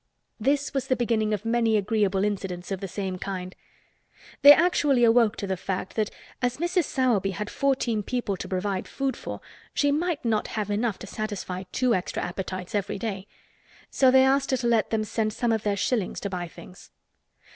This was the beginning of many agreeable incidents of the same kind. They actually awoke to the fact that as Mrs. Sowerby had fourteen people to provide food for she might not have enough to satisfy two extra appetites every day. So they asked her to let them send some of their shillings to buy things.